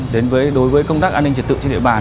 đến với đối với công tác an ninh trật tự trên địa bàn